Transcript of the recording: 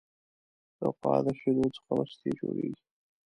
د غوا د شیدو څخه مستې جوړیږي.